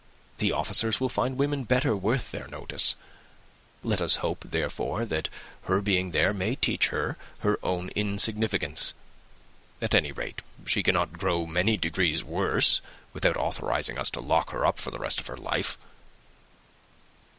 The officers will find women better worth their notice. Let us hope, therefore, that her being there may teach her her own insignificance. At any rate, she cannot grow many degrees worse, without authorizing us to lock her up for the rest of her life."